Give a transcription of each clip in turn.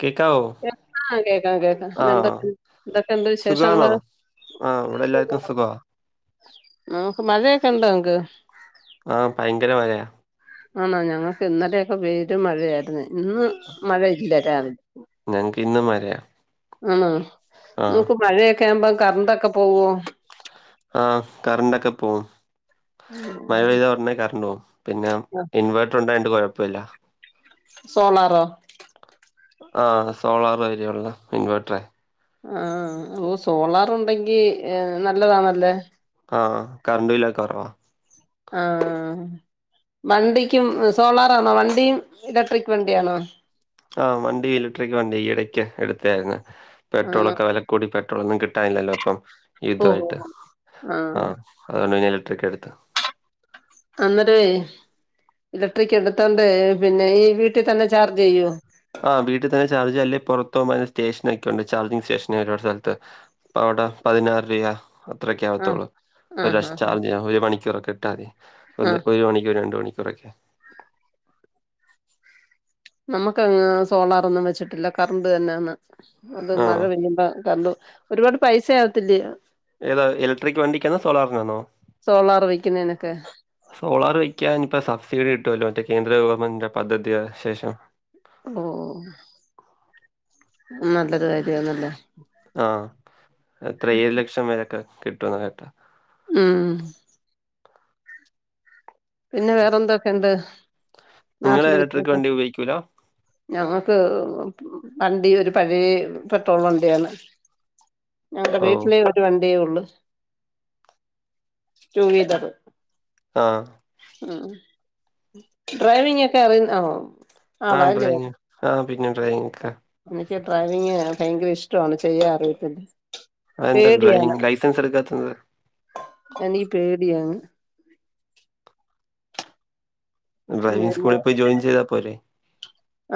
കേക്കാവോ കേ ആഹ് കേക്കാം കേക്കാം ആഹ് പിന്നെന്തൊക്കെ എന്തൊക്കെ ഉണ്ട് സുഖാണോ വിശേഷങ്ങളള് ആഹ് ഇവിടെ എല്ലർക്കും സുഖമാ അഹ് ഇപ്പ മഴയൊക്കെ ഉണ്ടോ നിങ്ങക്ക് ആഹ് ഭയ്ങ്കര മഴയാ ആന്നോ ഞങ്ങൾക്ക് ഇന്നലയൊക്കെ പെരു മഴയായിരുന്നു ഇന്ന് മഴയില്ല രാവിലെ ഞങ്ങക്ക് ഇന്നും മഴയാ ആണോ ആഹ് നിങ്ങക്ക് മഴയൊക്കെ ആവുമ്പ കറണ്ടക്കെ പോവോ ആഹ് കറണ്ടൊക്കേ പോവും മഴ പേയ്താ ഒടനെ കറണ്ട് പോവും പിന്നെ ആ, ഇൻവേർട്ടർ ഉണ്ടായോണ്ട് കോഴപ്പവില്ല സോളാറോ ആഹ് സോളാർ മാതിരിയുള്ള ഇൻവേർട്ടറെ ആഹ് ഓ സോളാർ ഉണ്ടെങ്കി നല്ലതാണല്ലേ ആഹ് കറണ്ട് ബില്ലൊക്കെ കൊറവാ ആഹ് വണ്ടിക്കും സോളാറാണോ വണ്ടിയും ഇലക്ട്രിക് വണ്ടിയാണോ ആഹ് വണ്ടിയും ഇലക്ട്രിക് വണ്ടി ഈയിടക്ക് എടുത്തായിരുന്നു ആണോ പെട്രോളൊക്കെ വെല കൂടി പെട്രോളൊന്നും കിട്ടാനില്ലല്ലോ അപ്പം ഓ ഓ, യുദ്ധമായിട്ട് ഓ. ആ ആഹ് അതൊണ്ട് പിന്നെ ഇലട്രിക്ക് എടുത്ത് അന്നേരവേ ഇലക്ട്രിക്ക് എടുത്തോണ്ട് പിന്നെ ഈ വീട്ടിൽ തന്നെ ചാർജ് ചെയ്യോ ആഹ് വീട്ടി തന്നെ ചാർജ് അല്ലേ പൊറത്ത് പോവുമ്പം സ്റ്റേഷൻ ഒക്കെ ഉണ്ട് ചാർജിങ് സ്റ്റേഷൻ ഒരുപാട് സ്ഥലത്ത് പ്പൊ അവ്ടെ പതിനാറ് രൂയ ആ അത്രയൊക്കാവത്തുള്ളൂ. ആ ഒരാർശ ആ ചാർജെയ്യ ഒരു മണിക്കൂറൊക്കെ ഇട്ടാതി. ഒന്ന് ആഹ് ഒരുമണിക്കൂർ രണ്ട് മണിക്കൂറൊക്കെ. നമ്മുക്ക് യ് സോളാറൊന്നും വെച്ചിട്ടില്ല കറണ്ട് തന്നാന്ന്. അത് ആണോ മഴ പെയ്യുമ്പോ കർണ്ട് ഒരുപാട് പൈസയാവത്തില്ലേ ഏതാ ഇലക്ട്രിക് വണ്ടിക്കാണോ സോളാറിനാണോ സോളാർ വെക്കുന്നതിനൊക്കെ സോളാർ വയ്ക്കാൻ ഇപ്പ സബ്സിഡി കിട്ടല്ലോ മറ്റേ കേന്ദ്ര ഗവൺമെന്റിന്റെ പദ്ധതി ശേഷം ഓഹ് നല്ലൊരു കാര്യാന്നല്ലേ ആഹ് എത്രേഴ് ലക്ഷം വരൊക്കെ കിട്ടുന്ന ഉംഉം പിന്നെ വേറെന്തൊക്കെണ്ട് നിങ്ങള് നാട്ടില് ഇലക്ട്രിക് വിശേഷം വണ്ടി ഉപയോഗിക്കൂല ഞങ്ങക്ക് വണ്ടി ഒരു പഴയേ പെട്രോൾ വണ്ടിയാണ് ഞങ്ങടെ ഓ വീട്ടിലേ ഒരു വണ്ടിയേ ഒള്ള്. ടൂ വിലറ്. ആഹ് ഉഹ്. ഡ്രൈവിങ്ങൊക്കെ അറിയുന്ന് ആണോ? ആഹ് ഡ്രൈയിങ്ങ് ആ പിന്നെ ഡ്രയിങ്ങ് ക്ക ഇൻക്ക് ഡ്രൈവിങ് ഭയങ്കര ഇഷ്ട്ടോണ് ചെയ്യാ അറിയത്തില അതെന്താ ഡ്രൈങ് ലൈസൻസെടുക്കാത്തത്? എനീ പേടിയാണ്. ഡ്രൈവിങ് പിന്നെ സ്കൂളിൽ പോയി ജോയിൻ ചെയ്താ പോരെ.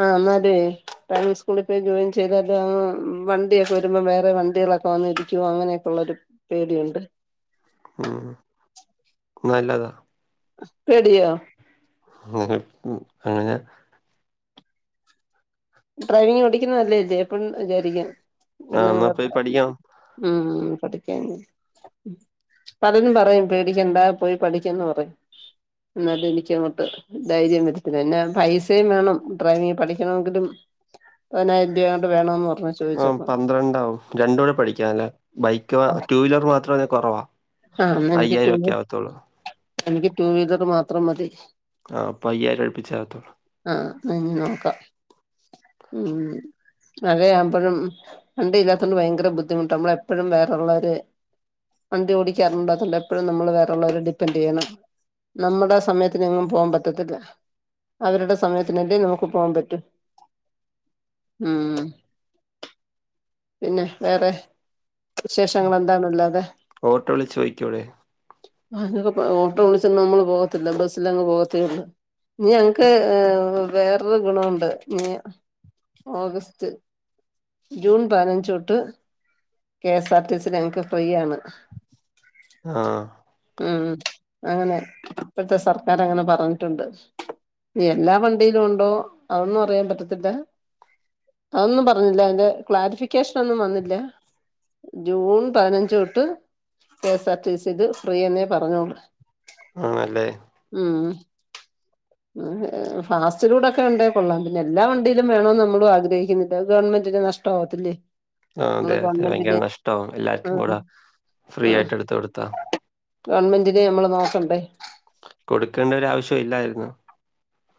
ആഹ് ഇന്നാലെയ് ഡ്രൈവിങ് സ്കൂളിൽ പോയി ജോയിൻ ചെയ്താല്. ആഹ് വണ്ടിയൊക്കെ വരുമ്പോ വേറെ വണ്ടീകളൊക്കെ വന്ന് ഇടിക്കുവോ അങ്ങനെയൊക്കെള്ളൊരു പേടി ഉണ്ട്. ഉം നല്ലതാ. പേടിയോ? ഇങ്ങനെ പൂ അങ്ങനെ ഡ്രൈവിങ് ഒടിക്കുന്നതല്ലേ ജേപ്പൻ വിചാരിക്കും. ആ എന്നാ പോയി പെണ്ണുങ്ങളെപ്പം. പഠിക്കണം ഉം പഠിക്കാന്. പലരും പറയും പേടിക്കണ്ടാ പോയി പഠിക്കെന്ന് പറയും. ഇന്നിട്ടു ഇനിക്കങ്ങോട്ട് ധൈര്യം വരത്തില്ല. ഇന്നെ പൈസയും വേണം ഡ്രൈവിങ് പഠിക്കണെങ്കിലും. പയ്നായിരം രൂപാണ്ട് വേണോന്ന് പറഞ്ഞു. ആഹ് ചോദിച്ചപ്പോ പന്ത്രണ്ടാവും. രണ്ടു കൂടെ പഠിക്കണല്ലേ ബൈക്ക് വ ടു വീലർ മാത്രാണേ കൊറവാ. ആഹ് ഇന്നെനിക്ക് റ്റൂ എനിക്ക് ടു വീലർ മാത്രം മതി. ആഹ് അപ്പ അയ്യായിര അഴിപ്പിച്ചാവത്തൊള്ളൂ. ആഹ് ആഹ് അയിനു നോക്കാ ഉം ഉഹ്. മഴ ആവുമ്പഴും വണ്ടല്ലാത്തോണ്ട് ഭയങ്കര ബുദ്ധിമുട്ട നമ്മളപ്പെഴും വേറൊള്ളര് വണ്ടി ഓടിക്കാറുണ്ടാത്തോണ്ട് എപ്പഴും നമ്മള് വേറള്ളോരെ ഡിപ്പെൻഡെയ്യണം. നമ്മടെ സമയത്തിനെങ്ങും പോവാൻ പറ്റത്തില്ല. അവരുടെ സമയത്തിനല്ലേ നമുക്ക് പോവാൻ പറ്റു ഉം. പിന്നെ വേറെ വിശേഷങ്ങൾ എന്താണ് ഇള്ളത്? ഓട്ടോ വിളിച്ച് ചോദിക്കൂടെ അനൊന്നും ഓട്ടോ വിളിച്ച് നമ്മള് പോവത്തില്ല. ബസ്സിലങ്ങ് പോവത്തേ ഒള്ളൂ. ഇഞ് ഞങ്ങക്ക് ഏഹ് വേറൊരു ഗുണവുണ്ട് ഇഞ്- ഓഗസ്റ്റ് ജൂൺ പയ്നഞ്ചൊട്ട് കെ എസ് ആർ ടി സില് ഞങ്ങക്ക് ഫ്രീ ആണ്. ആഹ് ഉം അങ്ങനെ ഇപ്പത്തെ സർക്കാറങ്ങനെ പറഞ്ഞിട്ടുണ്ട്. ഇ എല്ലാ വണ്ടിയിലുണ്ടോ അതൊന്നു അറിയാൻ പറ്റത്തില്ല. അതൊന്നും പറഞ്ഞില്ല അതിന്റെ ക്ലാരിഫിക്കേഷനൊന്നും വന്നില്ല ജൂൺ പതിനഞ്ച് തൊട്ട് കെ എസ് ആർ ടി സീല് ഫ്രീ എന്നേ പറഞ്ഞോള്ളൂ. ആണല്ലേ ഉം ഫാസ്റ്റ് ഫുഡൊക്കെ ഉണ്ടേ കൊള്ളാം. പിന്നെ എല്ലാ വണ്ടിയിലും വേണോന്ന് നമ്മളും ആഗ്രഹിക്കുന്നില്ല ഗവൺമെന്റന് നഷ് ട്ടോത്ത് ല്ല് ആ അതെ അതെ ഭയങ്കര നഷ്ടം എല്ലാർക്കും ഉം കൂടെ ഫ്രീ ആയിട്ട് എടുത്ത കൊടുത്താ ഗവൺമെന്റിനെ നമ്മള് നോക്കെണ്ടേ കൊടുക്കേണ്ട ഒര ആവശ്യം ഇല്ലായിരുന്നു.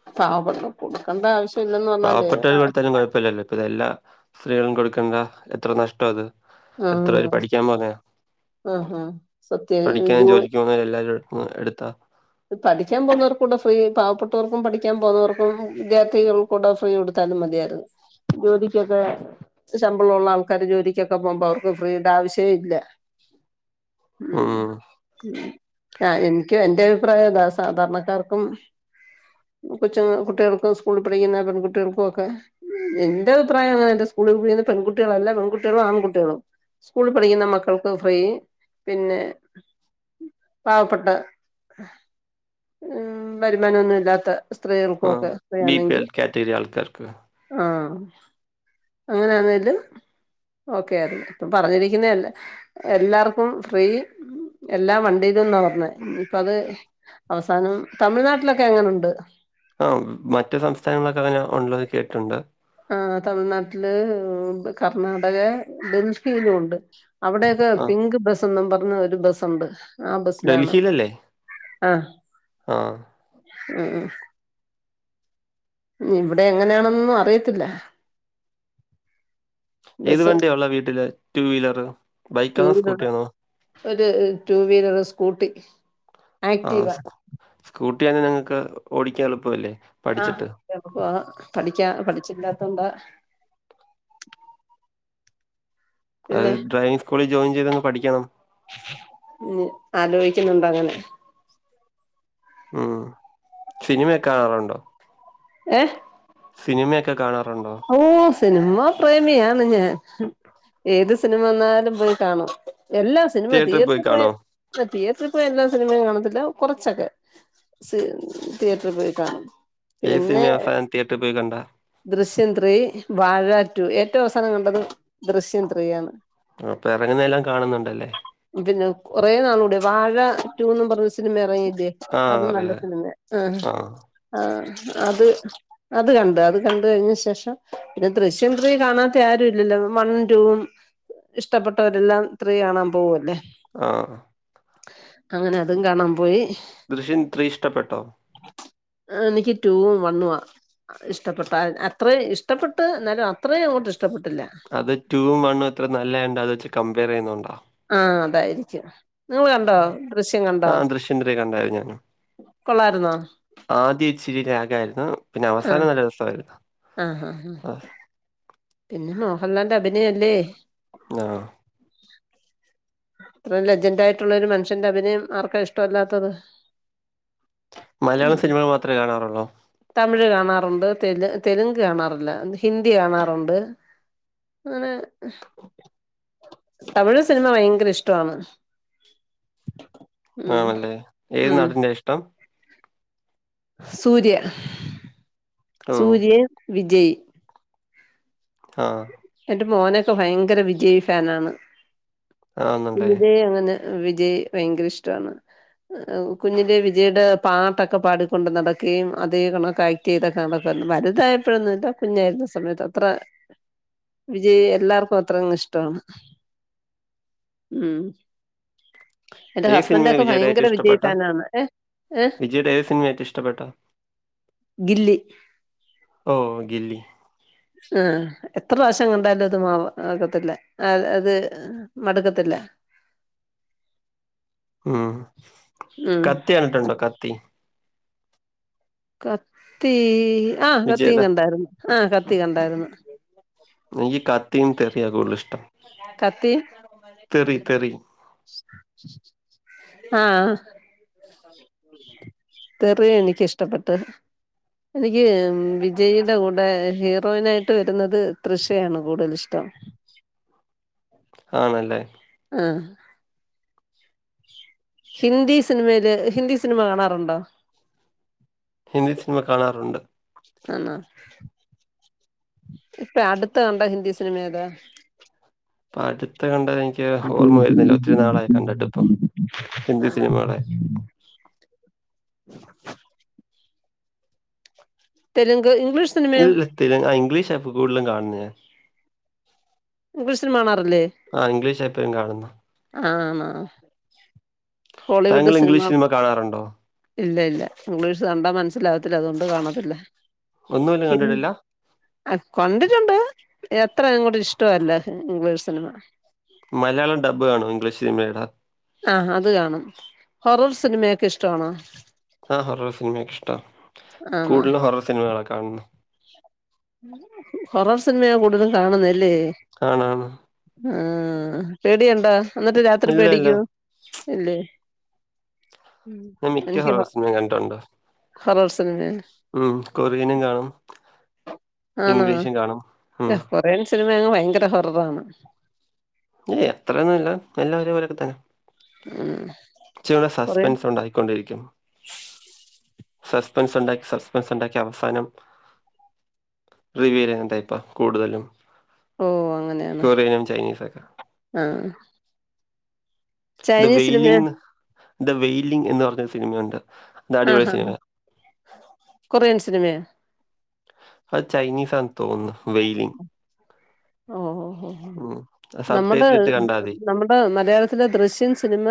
[unintelligible] കൊടുക്കേണ്ട ആവശ്യം ഇല്ലന്ന് പറഞ്ഞാലേ പാവപ്പെട്ടവർ കൊടുത്താലും കുഴപ്പമില്ലല്ലോ അപ്പ ഇതെല്ലാ സ്ത്രീകളും കൊടുക്കേണ്ട എത്ര നഷ്ട അത് എത്ര പേര് ആഹ് പഠിക്കാൻ പറയാ ആഹ് ആഹ് സത്യ പഠിക്കാനും ജൂ ജോലിക്ക് [unintelligible] എല്ല എടുത്താ പഠിക്കാൻ പോകുന്നവർക്ക് കൂടെ ഫ്രീ പാവപ്പെട്ടവർക്കും പഠിക്കാൻ പോകുന്നവർക്കും വിദ്യാർത്ഥികൾ [unintelligible] ഫ്രീ കൊടുത്താലും മതിയരുന്നു ജോലിക്കൊക്കെ ശമ്പളമുള്ള ആൾക്കാര് ജോലിക്കൊക്കെ പോകുമ്പോ അവർക്ക് ഫ്രീയുടെ ആവശ്യം ഇല്ല ഉ ഉം ആ എനിക്ക് എന്റെ അഭിപ്രായതാ സാധാരണക്കാർക്കും കൊച്ച കുട്ടികൾക്കും സ്കൂളിൽ പഠിക്കുന്ന പെൺകുട്ടികൾക്കും ഒക്കെ എന്റെ അഭിപ്രായം അങ്ങനല്ല സ്കൂളിൽ പഠിക്കുന്ന പെൺകുട്ടികളല്ല പെൺകുട്ടികളും ആൺകുട്ടികളും സ്കൂളിൽ പഠിക്കുന്ന മക്കൾക്ക് ഫ്രീ പിന്നെ പാവപ്പെട്ട ഉ വരുമാനഒന്നും ഇല്ലാത്ത സ്ത്രീകൾക്കെക്കെ ബി പി വെണെങ്കിൽ എൽ കാറ്റഗറി ആൾക്കാർക്ക് ആഹ അങ്ങനൊയാണെകിൽ ഓക്കെ ഇപ്പം പറഞ്ഞിരിക്കുന്ന അല്ല എല്ലാർക്കും ഫ്രീ എല്ലാ വണ്ടിയിലും എന്ന പറഞ്ഞേ അത് അവസാനം തമിഴ്നാട്ടിലൊക്കെ എങ്ങനുണ്ട് ആ മറ്റു സംസ്ഥാനങ്ങളിലൊക്കെ അങ്ങനെ ഉണ്ടല്ലോന്ന് കേട്ടിട്ടുണ്ട് ആ തമിഴ്നാട്ടില് കർണാടക ഡൽഹിയിലും ഉണ്ട് അവിടെ അത് ആ പിങ്ക് ബസ്സും പറഞ്ഞ ഒരു ബസ്സുണ്ട് ആ ബസ്സിലാണ് ഡൽഹിയിലല്ലേ? ആഹ് ആ ആ ആ ഇവിടെ എങ്ങനെയാണന്നും അറിയത്തില്ല ഏത് ബസ് വണ്ടിയ ഉള്ള വീട്ടില് ടു വീലർ ടു ബൈക്കാണോ വീലർ സ്കൂട്ടിയാണോ? ഒരു ടു വീലർ സ്കൂട്ടി ആ ആക്റ്റീവ സ്കൂട്ടി‌ക്കി നിങ്ങൾക്ക് ഓടിക്കാൻ എളുപ്പല്ലേ ആഹ് എളുപ്പമാ പഠിക്കാ പഠിച്ചില്ലാത്തോണ്ട് അത് പിന്നെ ഡ്രൈവിംഗ് സ്കൂളിൽ ജോയിൻ ചെയ്തന്ന് പഠിക്കണം ഉ ആലോചിക്കുന്നുണ്ട് അങ്ങനെ ഉം സിനിമയൊക്കെ കാണാറുണ്ടോ? ഏ സിനിമയൊക്കെ കാണാറുണ്ടോ? ഓ സിനിമ പ്രേമിയാണ് ഞാൻ ഏത് സിനിമന്നാലും പോയി കാണും. എല്ലാ സിനിമ തിയേറ്ററിൽ പോയി തിയേറ്ററിൽ പോയി എല്ലാ സിനിമയും കാണത്തില്ല കുറച്ചൊക്കെ സിൻ തിയേറ്ററിൽ പോയി കാണാം ഏത് സിനിമയാ അവസാനം തിയേറ്റർ പോയി കണ്ടാ ദൃശ്യം ത്രീ വാഴ ടു ഏറ്റവും അവസാനം കണ്ടത് ദൃശ്യം ത്രീയണ്. അപ്പം ഇറങ്ങുന്നതെല്ലാം കാണുന്നുണ്ടല്ലേ പിന്നെ കൊറെ നാൾ കൂടെ വാഴ റ്റുന്ന് പറഞ്ഞ സിനിമ ഇറങ്ങില്ലേ ആ അതും നല്ല അറിയാം. സിനിമ ആ. ആ അത് അത് കണ്ട് അത് കണ്ട് കഴിഞ്ഞ ശേഷം പിന്നെ ദൃശ്യം ത്രീ കാണാത്ത ആരും ഇല്ലല്ലോ വൺ ടു ഇഷ്ടപ്പെട്ടവരെല്ലാം ത്രീ കാണാൻ പോവല്ലേ ആഹ്. അങ്ങനതും കാണാൻ പോയി. ദൃശ്യം ത്രീ ഇഷ്ടപ്പെട്ടോ? എനിക്ക് റ്റൂവും വണ്ണുവാ ഇഷ്ടപ്പെട്ടേ അത്രേം ഇഷ്ടപ്പെട്ട് ന്നാലും അത്രേം അങ്ങോട്ട് ഇഷ്ടപ്പെട്ടില്ല. അത് ടുവും വണ്ണും അത്ര നല്ലായോണ്ട് അത് വെച്ച് കമ്പെയറെയ്യുന്നോണ്ടാ. ആഹ് അതായിരിക്കും. നിങ്ങള് കണ്ടോ ദൃശ്യം കണ്ടോ? ആ ദൃശ്യം ത്രീ കൊള്ളായിര്ന്നോ? ആദ്യ ഇച്ചിരി ലാഗായിര്ന്ന് പിന്നെ ആഹ് അവസാനം നല്ല രസവായിര്ന്ന്. ആഹ് ആഹ് പിന്നെ മോഹൻലാലിന്റെ അഭിനയല്ലേ ആഹ്. അത്രേം ലജൻ്റായിട്ട്ള്ളൊരു മനുഷ്യന്റെ അഭിനയം ആർക്കാ ഇഷ്ടവല്ലാത്തത്. മലയാളം സിനിമകൾ മാത്രമെ കാണാറുള്ളോ? തമിഴ് കാണാറുണ്ട് തെലു തെലുങ്ക് കാണാറില്ല, ഹിന്ദി കാണാറുണ്ട്. അങ്ങനെ തമിഴ് സിനിമ ഭയങ്കര ങ്കര ഇഷ്ടോവാണ്. ആണല്ലേ ഏത് നാടനെ ഇഷ്ടം? സൂര്യ, ഓ സൂര്യേം വിജയ്. ആഹ്. എന്റെ മോനൊക്കെ ഭയങ്കര വിജയി ഫേനാണ്, ആന്നല്ലേ. വിജയ് അങ്ങനെ വിജയ് ഭയങ്കര ഇഷ്ടവാണ്. കുഞ്ഞിലേ വിജയ്ടെ പാട്ടൊക്കെ പാടിക്കൊണ്ട് നടക്കേയും അതേ കണക്കാക്കി ചെയ്തൊക്കെ നടക്കുവാര്ന്ന് വലുതായപ്പോഴൊന്നുവില്ല കുഞ്ഞായിര്ന്ന സമയത്ത്, അത്ര വിജയേ എല്ലാർക്കും അത്രങ്ങ് ഇഷ്ടവാണ്. ഉം. എന്റെ ഏത് സിനിമയാ ഹസ്ബൻഡൊക്കെ ഭയങ്കര വിജയ് ഫാനാണ്, ഏഹ് വിജയ്ടെ ഏത് സിനിമയാ ഏറ്റൂം ഇഷ്ടപ്പെട്ടേ? ഗില്ലി. ഓഹ് ഗില്ലി. ആഹ് എത്രറാശ്യം കണ്ടാലും അത് മാ ആക്കത്തില്ല, ആഹ് അത് മട്ക്കത്തില്ല. ഉം ഉം കത്തി കണ്ട്ട്ട്ണ്ടോ, കത്തി? കത്തീ.. ആഹ് കത്തിയും വിജയുടെ. കണ്ടായ്ര്ന്ന്, ആഹ് കത്തി കണ്ടായ്ര്ന്ന്. എനിക്കി കത്തിയും തെറിയ കൂട്തലിഷ്ടം. കത്തിം? തെറി ആഹ്. തെറിയു എനിക്കിഷ്ടപ്പെട്ട്. എനിക്ക് വിജയിടെ കൂടെ ഹീറോയിനായിട്ട് വെരുന്നത് തൃഷയാണ് കൂട്തലിഷ്ടം. ആണല്ലേ. ആഹ്. ഹിന്ദി സിനിമയില്, ഹിന്ദി സിനിമ കാണാറൊണ്ടോ? ഹിന്ദി സിനിമ കാണാറുണ്ട്. ആന്നോ, ഇപ്പേ അടുത്ത് കണ്ട ഹിന്ദി സിനിമ ഏതാ? പ്പടുത്ത് കണ്ടേ ഇപ്പം ഹിന്ദി ആഹ്. സിനിമകളെ. [inaudible] തെലുങ്ക്, ഇംഗ്ലീഷ് [unintelligible] സിനിമയോ ആഹ് ഇംഗ്ലീഷാപ്പം കൂടുതലും കാണ്ന്നേ. ഇംഗ്ലീഷ് സിനിമ കാണാറില്ലേ? ആഹ് ഇംഗ്ലീഷെപ്പഴും കാണുന്നാ. ആന്നോ. ഹോളിവുഡ് താങ്കൾ സിനിമ ഇംഗ്ലീഷ് കാണാറുണ്ടോ ഇല്ല ഇല്ല. ഇംഗ്ലീഷ് കണ്ടാ മനസ്സിലാവത്തില്ല, അതുകൊണ്ട് കാണത്തില്ല. ഒന്നുഇല്ല കണ്ടിട്ടില്ല? അ കണ്ടിട്ടുണ്ട്, എത്ര അങ്ങോട്ടിഷ്ടവല്ല ഇംഗ്ലീഷ് സിനിമ മലയാളം ഡബ്ബ് കാണോ ഇംഗ്ലീഷ് സിനിമേടെ? ആഹ് അത് കാണും. ഹൊറർ സിനിമയൊക്കെ ഇഷ്ടമാണോ? ഹാ ഹൊറർ സിനിമയൊക്കെ ഇഷ്ടാ. ആണോ കൂടുതലും ഹൊറർ സിനിമകളാ കാണുന്നെ. ഹൊറർ സിനിമയാ കൂടുതൽ കാണുന്നെ അല്ലേ? ആണാണ്. ഊം. പേടിയുണ്ടോ എന്നിട്ട് രാത്രി ഇല്ല ഇല്ല പേടിയ്ക്കോ? ഇല്ലേ ഞാൻ മിക്ക എനിക്ക് ഹ ഹൊറർ സിനിമയും കണ്ടിട്ടുണ്ട് ഹൊറർ സിനിമയാ ഉം കൊറിയനും കാണും. ആണോ? ഇംഗ്ലീഷും കാണും ഉം കൊറിയൻ സിനിമയങ്ങ് ഭയങ്കര ഹൊററാണ്. ഇല്ല അത്രെന്നുല്ല, എല്ലം ഒരുപോലെയൊക്കെ തന്നെ. ഉം ച്ചൂടെ കൊറിയൻ സസ്പെൻസ് ഉണ്ടായിക്കൊണ്ടിരിക്കും. സസ്പെൻസ് ഉണ്ടാക്കി, സസ്പെൻസുണ്ടാക്കി അവസാനം റിവ്യൂലങ്ങൻത്ത ഇപ്പ കൂടുതലും ഓഹ് അങ്ങനെയാണ് കൊറിയനും ചൈനീസൊക്കെ ആഹ്. ദ ചൈനീസ് സിനിമയോ വെയിലിങ് ന്ന്, ദ വെയിലിങ് എന്ന് പറഞ്ഞൊരു സിനിമയുണ്ട്. അത് ആഹ് അടിപൊളി ഹാ ഹ, സിനിമയാ. കൊറിയൻ സിനിമയൊ? അത് ചൈനീസാന്ന് തോന്ന്ന്ന്, വെയിലിങ്. ഓഹ് ഓ ഓ ഉം, അത് സബ്ടൈറ്റിലിട്ട് കണ്ടാതി. നമ്മുടെ മലയാളത്തിലെ ദൃശ്യൻ സിനിമ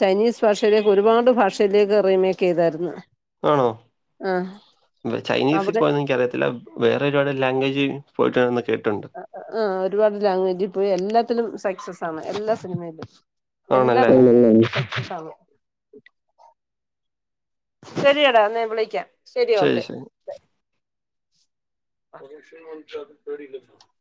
ചൈനീസ് ഭാഷയിലേക്ക് ഒരുപാട് ഭാഷയിലേക്ക് റീമേക്കെയ്തായിര്ന്ന്. ചെയ്തായിരുന്നു ആണോ? ആഹ് വെ അവിടെ ചൈനീസിപ്പയൊന്നും എനിക്കറിയത്തില്ല വേറെ ഒരുപാട് ലാംഗ്വേജ് പോയിട്ടുണ്ടെന്ന് കേട്ട്ട്ടുണ്ട്. ആഹ് ഒരുപാട് ലാങേജിപ്പോയി എല്ലാത്തിലും സക്സസ് സാണ് എല്ലാ സിനിമയിലും. എല്ലാ ആണല്ലേ? സക്സസാണ്. ശരിയെടാ എന്നാ ഞാൻ വിളിയ്ക്കാം. ശരി ഓക്കെ. [unintelligible]